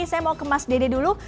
saya mau ke mas dede dulu